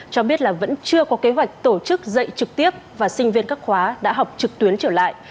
cho biết là vẫn chưa có kế hoạch tổ chức dạy trực tiếp và sinh viên các khóa đã học trực tuyến trở lại